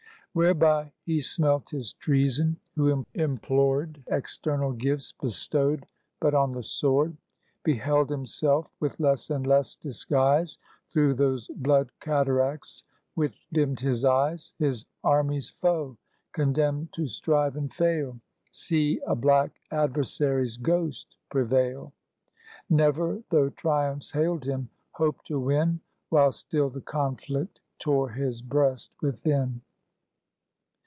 Whereby he smelt his treason, who implored External gifts bestowed but on the sword; Beheld himself, with less and less disguise, Through those blood cataracts which dimmed his eyes, His army's foe, condemned to strive and fail; See a black adversary's ghost prevail; Never, though triumphs hailed him, hope to win While still the conflict tore his breast within.